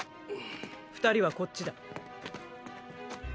二人はこっちだ。